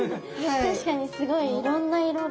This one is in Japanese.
確かにすごいいろんな色が。